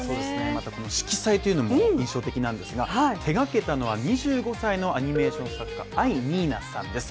またこの色彩というもの印象的なんですが手がけたのは２５歳のアニメーション作家、藍にいなさんです。